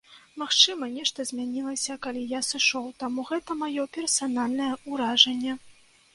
Магчыма, нешта змянілася, калі я сышоў, таму гэта маё персанальнае ўражанне.